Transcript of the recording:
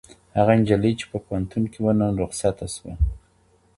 هغه نجلۍ چې په پوهنتون کې وه، نن رخصته شوه.